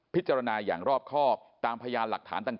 พิจารณาอย่างรอบครอบตามพยานหลักฐานต่าง